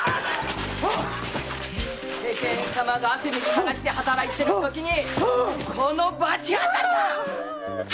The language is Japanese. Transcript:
世間様が汗水たらして働いてるってときにこの罰当たりが！